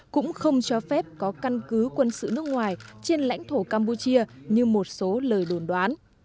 cũng không cho phép có căn cứ quân sự nước ngoài trên lãnh thổ campuchia như một số lời đồn đoán